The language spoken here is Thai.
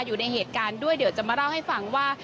อยู่ในเหตุการณ์ด้วยเดี๋ยวจะมาเล่าให้ฟังว่า